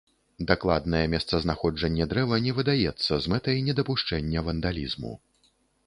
Дакладнае месцазнаходжанне дрэва не выдаецца з мэтай недапушчэння вандалізму.